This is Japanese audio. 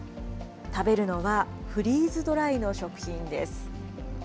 食べるのはフリーズドライの食品です。